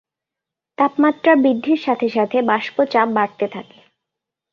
তাপমাত্রা বৃদ্ধির সাথে সাথে, বাষ্প চাপ বাড়তে থাকে।